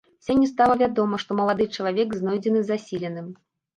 Сёння стала вядома, што малады чалавек знойдзены засіленым.